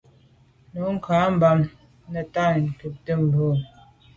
Nə̀ cǎ ú rə̀ bɑ́mə́ nə̀tâ ncûptə̂ mû’ bə̀.